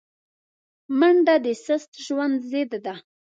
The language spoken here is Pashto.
منډه د سست ژوند ضد ده